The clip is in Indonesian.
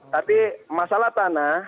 tapi masalah tanah